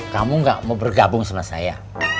kamu gak mau bergabung sama saya